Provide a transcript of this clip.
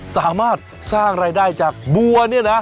สามารถสร้างรายได้จากบัวเนี่ยนะ